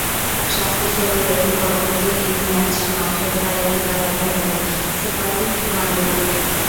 শাস্তিস্বরূপ এখন পরবর্তী তিন ম্যাচ মাঠের বাইরেই কাটাতে হবে সুপার মারিওকে।